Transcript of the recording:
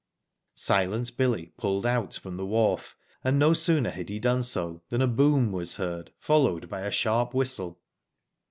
Silent Billy pulled out from the wharf, and no sooner had he done so than a boom was heard, followed by a sharp whistle.